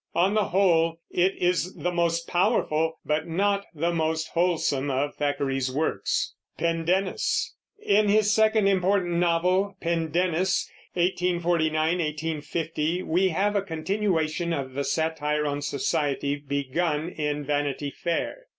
On the whole, it is the most powerful but not the most wholesome of Thackeray's works. In his second important novel, Pendennis (1849 1850), we have a continuation of the satire on society begun in Vanity Fair.